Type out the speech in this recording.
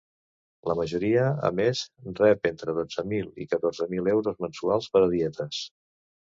La majoria, a més, rep entre dotze mil i catorze mil euros mensuals per a dietes.